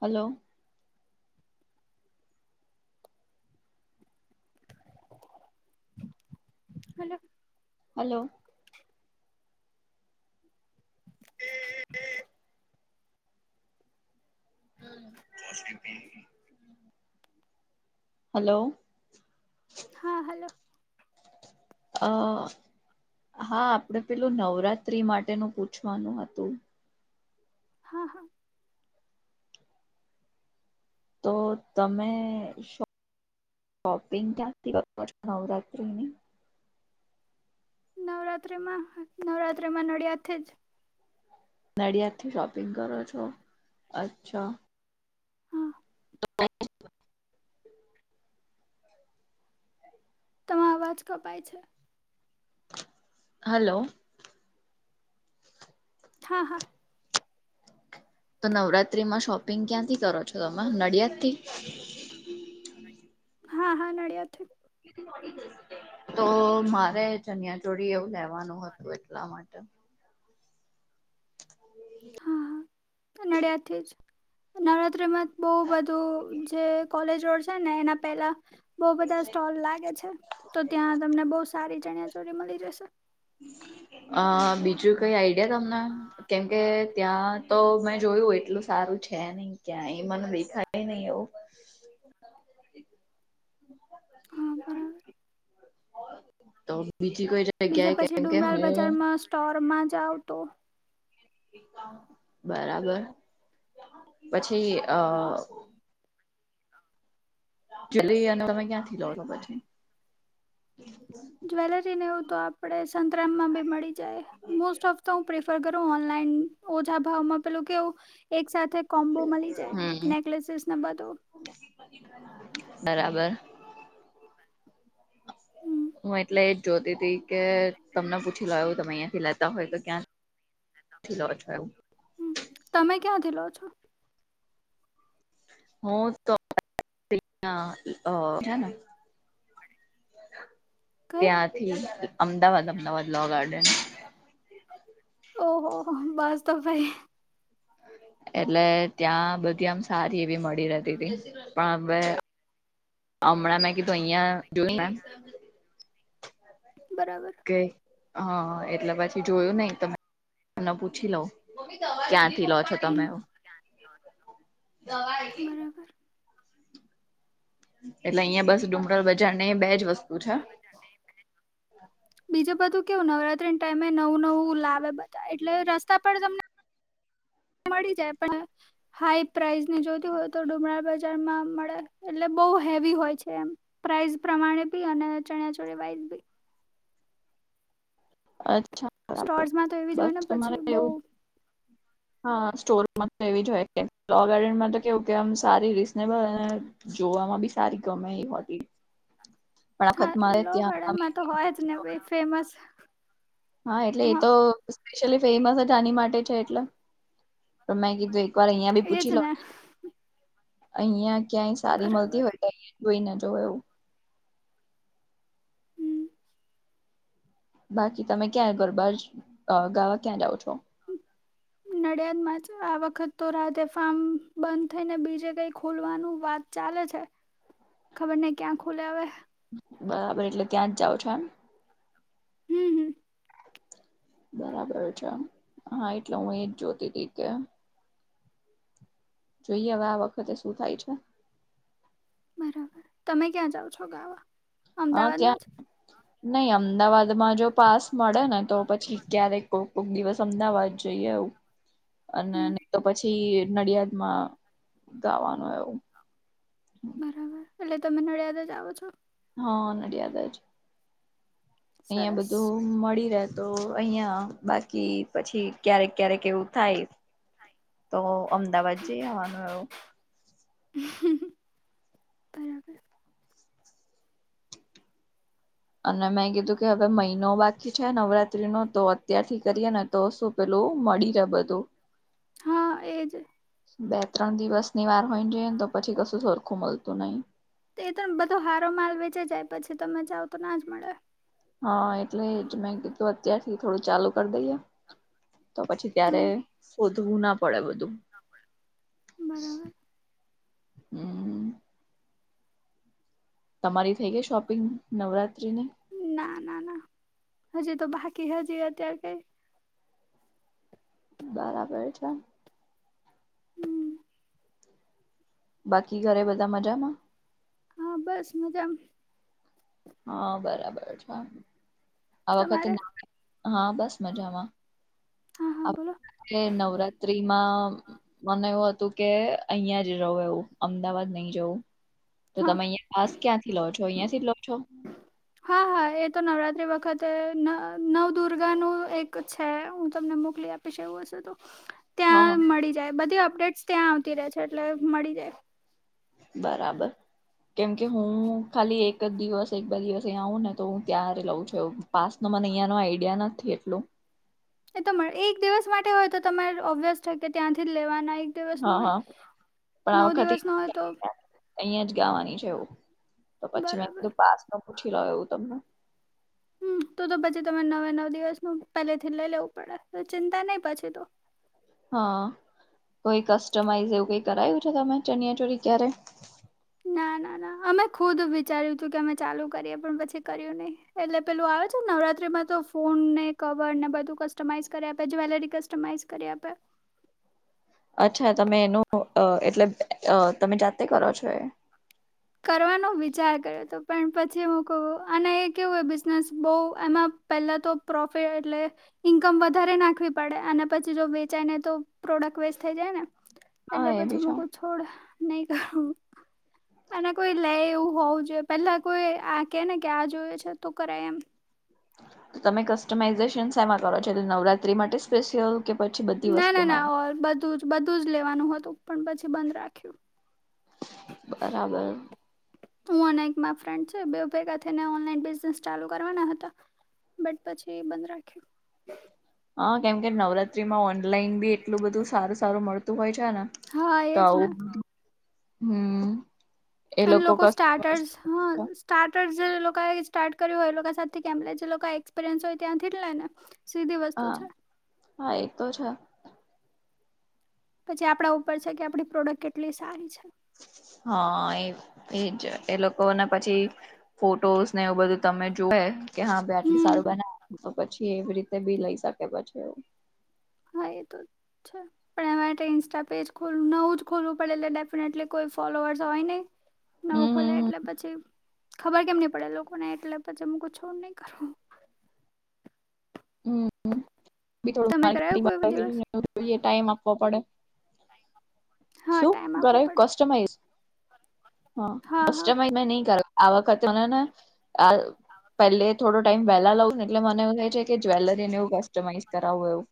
Hello! Hello. Hello. એ [unintelligible] [unintelligible] hello. હા, hello. અ હા, આપણે પેલું નવરાત્રી માટેનું પૂછવાનું હતું. હા હા. તો તમે શોપિંગ કયાંથી કરુ હજુ નવરત્રીની? નવરાત્રિમાં નવરાત્રિમાં નળિયાદથી જ નડિયાદથી શોપિંગ કરો છો? અચ્છા. હા તમારો અવાજ કપાય છે. હલો. હા હા. તો નવરાત્રીમાં શોપિંગ ક્યાંથી કરો છો? તમે નડિયાદ થી? હા હા. નડિયાદ થીજી. દીદી પડી ગઈ છે. તો મારે ચણિયા ચોળી એવું લેવાનું હતું એટલા માટે. હ નડિયાદ થી જ નવરાત્રીમાં બહુ બધું જે કોલેજ રોડ છે ને એના પેલા બહુ બધા સ્ટોલ લાગે છે તો ત્યાં તમને બહુ સારી ચણિયા ચોળી મળી જશે. [unintelligible] અ બીજું કઈ આઈડિયા તમને? કેમ કે ત્યાં તો મેં જોયું એટલું સારું છે નહીં ક્યાં એ મને દેખાય. હે ન‌ઇ એવું. હા, બરાબર. તો બીજુ કોઇ બીજા પછી ડુમરાલ બજારમાં સ્ટોરમાં જાવ તો. બરાબર. પછી હમ આ જ્વેલરી અને તમે ક્યાંથી લોવ છો પછી જ્વેલરીને એવું તો આપણે સંતરામમાં બી મળી જાય. મોસ્ટ ઓફ તો હું પ્રિફર કરું ઓનલાઇન ઓછા ભાવમાં પેલું કેવું એક સાથે કોમ્બો મલી જાય હમ નેકલેસીસ બધો બરાબર હમ હું એટલે એ જ જોતી ત કે તમને પૂછી લો તમે અહંથી લેતા હોય તો ક્યાં થી લો છો એવું. હમ તમે ક્યાંથી લો છો? હ તો છેને [inaudible] કઈ ત્યાંથી અમદાવાદ અમદાવાદ લો ગાર્ડન ઓ હો હો, બસ તો ભાઈ. એટલે ત્યાં બધી આમ સારી એવી મળી રહેતી હતી. પણ હવે હમણાં મેં કીધું. અહિયાં જોઈ બરાબર. હા, એટલે પછી જોયું નઈ તમે તને પૂછી લઉ, ક્યાંથી લો છો તમે? હમ દવાઈ. બરાબર એટલે અહિયાં બસ ડુમરાળ બજાર ને બે જ વસ્તુ છે. બીજું બધું કેવું નવરાત્રી ટાઈમે નવું નવું લાવે એટલે રસ્તા પર તમને મળી જાય પણ હાઈ પ્રાઈસ ની જોતી હોય તો ડુમરાળ બજારમાં મળે એટલે બહુ હેવી હોય છે એમ પ્રાઇઝ પ્રમાણે ભી અને ચણીયા ચોણી વાઈઝ બી અચ્છા બરાબર સ્ટોર્સમાં તો એવી જ હોય ને પછી બઉ હ [inaudible] હા સ્ટોરમાં તો એવી જો હોય કે લો ગાર્ડનમાં તો કેવું કે આમ સારી રીઝનેબલ અને જોવામાં બી સારી ગમે એ બઘી હા લોગાર્ડનમાં તો હોય જ ને ભ‌ઈ ફેમસ હા એટલે એ તો સ્પેશિયલી ફેમસ જ આની માટે છે એટલે મે કીધું એક પણ અહિયાં ભી એજ પુછી લ‌ઉ ને અહીંયા ક્યાંય સારી મળતી બરાબર હોઈએ ને હોય કો‌ઇ ને જોવે એવું. હમ બાકી તમે ક્યાં ગરબા જ અ ગાવા ક્યાં જાવ છો હું નડિયાદમાં છું. આ વખત તો રાધે ફાર્મ બંધ થઈને બીજે કઈ ખોલવાનું વાત ચાલે છે. ખબર નહીં ક્યાં ખુલે હવે. બરાબર એટલે ત્યાં જ જાઓ છો એમ હમ હમ બરાબર છે હા એટલે હું એજ જોતી તી કે જોઈએ આ વખતે શું થાય છે બરાબર તમે ક્યાં જાવ છો ગાવા? હા અમદાવાદમાં જ ત્યાં નહી અમદાવાદમાં જો પાસ મળે ને તો પછી ક્યારેક કોક કોક દિવસ અમદાવાદ જઈ આવું. અને હમ નહીં તો પછી નડિયાદમાં ગાવાનું એવું. બરાબર એટલે તમે નડિયાદ જ આવો છો? હહ નડિયાદ જ. અહીંયા સરસ બધું મળી રહે તો અહિયાં બાકી પછી ક્યારેક ક્યારેક એવું થાય. તો અમદાવાદ જઈ આવાનું એવો. બરાબર. અને મેં કીધું કે હવે મહિનો બાકી છે નવરાત્રીનો તો અત્યારથી કરીએ ને તો શું પેલું મળી રહે બધું. હા એ જ. બે ત્રણ દિવસની વાર હોયને જઈએ ને તો પછી કશું સરખું મલતું નહીં. તે તો એમ બધો હારો માલ વેચાઈ જાય પછી તમે જાવ તો ના જ મળે. હહ એટલે જ મેં કીધું અત્યારથી થોડું ચાલુ કર દઈએ. તો પછી ત્યારે હા શોધવું ના પડે બધું. [inaudible] બરાબર. હમ તમારી થઈ ગઈ શોપિંગ નવરાત્રીની? ના ના ના હજી તો બાકી હજી અત્યારે કઈ બરાબર છે. હમ બાકી ઘરે બધા મજામાં? હા બસ મજા મ હહ બરાબર છે. આ વખતે તમારે [inaudible] હા બસ મજામાં. હા હા બોલો આપણે નવરાત્રીમાં મને એવું હતું. કે અહિયાં જ રહું એવું અમદાવાદ નહી જવું. તો હા તમે અહીંયા પાસ ક્યાંથી લો છો? અહિયાંથી જ લો છો? હા હા એ તો નવરાત્રી વખતે ન નવદુર્ગાનું એક છે હું તમને મોકલી આપ પીશ એવું હશે તો. હહ ત્યાં મળી જાય બધી અપડેટ્સ ત્યાં આવતી રહે છે એટલે મળી જાય. બરાબર. કેમ કે હું ખાલી એક જ દિવસ એક બે દિવસ ઈયા આઉ ને તો હું ત્યારે લઉં છું એવું. પાસનો મને ઈયાનો આઈડિયા નથી એટલો. એ તો મળે એક દિવસ માટે હોય તો તમારે ઓવેસ છે કે ત્યાંથી જ લેવાના એ ક હા દિવસનું હોય, હા નવ દિવસનું હોય તો અહિંયા જ ગાવાની છે એવું. તો પછી મે બરાબર કિધું પાસનું પૂછી લઉ એવું તમને. હમ તો તો પછી તમારે નવે નવ દિવસનું પહેલેથી લઈ લેવું પડે તો ચિંતા નહી પછી તો. હા કોઈ કસ્ટમાઈઝ એવું કઈ કરાયું છે તમે ચનિયાચોલી ક્યારે ના ના ના અમે ખુદ વિચાર્યું તું કે અમે ચાલુ કરીએ પણ પછી કર્યું નહી. એટલે પેલું આવે છે ને નવરાત્રીમાં તો ફોનને, કવરને બધું કસ્ટમાઈઝ કરી આપે, જ્વેલરી કસ્ટમાઈઝ કરી આપે. અચ્છા તમે નો અ એટલે અ તમે જાતે કરો છો એ? કરવાનો વિચાર કર્યો તો પણ પછી હું કઉં અને એ કેવું એ બિઝનેસ બહુ એમાં પહેલાં તો પ્રોફિટ એટલે ઈન્કમ વધારે નાખવી પડે અને પછી જો વેચાય નય તો પ્રોડક્ટ વેસ્ટ થઈ જાય ને હા એટલે એ પછી બી મુ છે કઉં છોડ નહી કરું. અને કોઈ લે એવું હોવું જોઈએ. પેલા કોઈ આ કે ને કે આ જોવે છે તો કરે એમ. તો તમે કસ્ટમાઇઝેશન શેમાં કરો છો તો નવરાત્રી માટે સ્પેશિયલ કે પછી બધ ના ના ના ઓ બધું જ બધું જ લેવાનું હતું પણ પછી બંધ રાખ્યું. બરાબર હું અને મારી એક ફ્રેન્ડ છે બે ભેગા થઈને ઓનલાઈન બિઝનેસ ચાલુ કરવાના હતા બટ પછી બંધ રાખ્યુ. હા કેમકે નવરાત્રીમાં ઓનલાઈન બી એટલું બધું સારું સારું મળતું હોય છેને હા તો એજ આવુ ને હમ એ અને લોકો કસ્ટમાઈઝ સ્ટાર્ટર્સ હા સ્ટાર્ટર્ જે લોકો સ્ટાર્ટ કર્યું હોય એ લોકો સાથે કે જે લોકો એક્સપિરિયન્સ હોય ત્યાંથી જ લે ને સીધી વસ્તુ હા છે હા એ તો છે પછી આપડા ઉપર છે કે આપડી પ્રોડક્ટ કેટલી સારી છે. હા એ એજ એ લોકો ને પછી ફોટોસ ને એવું બધું તમે જોવે કે હા ભાઈ આટલું હમ સારું બનાવે તો પછી એવી રીતે બી લઈ શકે પછી. હા એ તો છે. પણ એમાં માટે ઇન્સ્ટા પેજ ખોલવું નવું જ ખોલવું પડે એટલે ડેફિનેટલી કોઈ ફોલોઅર્સ હોય, નહી. હમ નવું ખોલે હમ એટલે પછી ખબર કેમ નહી પડે લોકોને એટલે પછી હું ક છુ. નહી કરું હમી થોડ તમે કરાયું કોઈ મા દિવસ [unintelligible] જોઈએ ટાઈમ આપવો પડે હા શું ટાઈમ આપવો કરે પડે કસ્ટમાઈઝ હા બ મે ન કર આવા [unintelligible] પેલે થોડો ટાઈમ વહેલા લઉં ને એટલે મને એવું થાય છે કે જ્વેલરીને એવું કસ્ટમાઈઝ કરાવવું એવું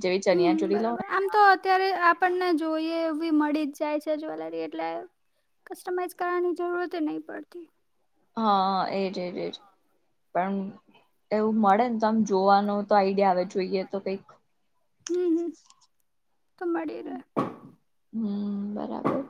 જેવી હમ ચનિયાચોલી લવ બરાબર ને આમ તો અત્યારે આપણને જોઈએ એવી મળી જ જાય છે જ્વેલરી એટલે કસ્ટમાઈઝ કરવાની જરૂરત નહી પડતી. હા એજ એજ પણ એવું મળે ને તો આમ જોવાનો તો આઈડિયા આવે જોઈએ તો કઈક હમ હમ તો મળી રે હમ બરાબર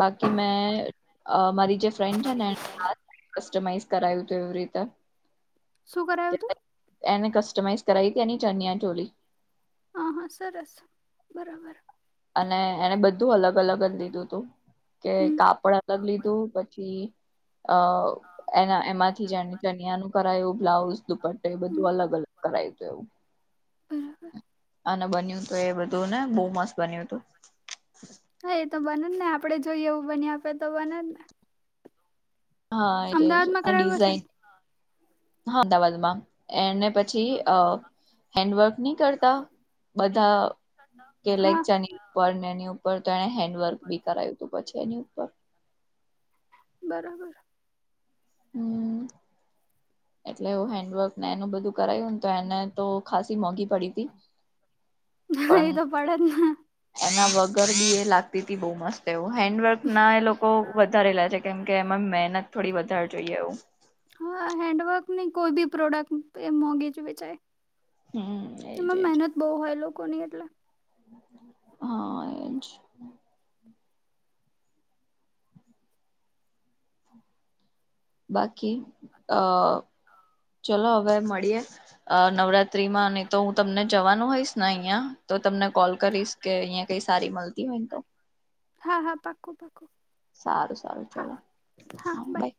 બાકી મેં મારી જે ફ્રેન્ડ છે ને કસ્ટમાઈઝ કરાયું હતું એવી રીતે શું કરાયું તું એને કસ્ટમાઈઝ કરાઈ હતી એની ચનિયા ચોલી હા-હા સરસ બરાબર અને એને બધા ધું અલગ અલગ જ લીધું તું કે હમ કાપડ અલગ લીધું પછી. અ એના એમાંથી જેને તનિયા ન કરાય એવું બ્લાઉઝ વસ્તુપટ્ટ એ હમ બધું અલગ અલગ કરાય તોું એવુ [inaudible] અને બન્યું હતું એ બધું ને બહુ મસ્ત બન્યું હતુ. હા, એ તો બને જ ને આપડે જોઈએ એવું બની આપે તો બને જ ને હા એ છે. અમદાવાદમાં કરાવ્યું હશે ડિઝન ને હા, અમદાવાદમાં એને પછી અ હેન્ડવર્ક નહી. કરતા બધા કે લાઈક હા ચની પણ ને એની ઉપર, તો એને હેન્ડવર્ક બી કરાયું હતું પછી એની ઉપર બરાબર [inaudible] [unintelligible] એટલે હેન્ડવર્ક ને એનું બધું કરાયું ને તો એને તો ખાાસસી મોંઘી પડી હતી. [inaudible] ના પણ એ તો પડને એના બગ ગરદી એ લાગતી હતી બહુ મસ્ત એવું હેન્ડવર્કના એ લોકો વધારે લે છે, કેમ કે એમાં મહેનત થોડી વધારે જોઈએ આવુ હા, હેન્ડવક ની કોઈ બી પ્રોડક્ટ એ મોઘેજ વચાય હમ એ જ એ જ બહુ હોય લોકો ની એટલે હા એજ બાકી અ ચલો હવે મળીએે નવરાત્ર ત્રી માં ન તો હુ, તમને જવાનું હોઈશ ને અહિયાં તો તમને કોલ કરીશ કે અહિયાં કઈ સારી મળતી [inaudible] હા-હા પાકું પાકું સારું-સારું ચલો હા બાઈ